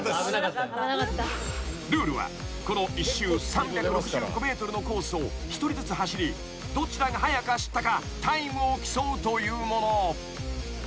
［ルールはこの１周３６５ｍのコースを一人ずつ走りどちらが早く走ったかタイムを競うというもの］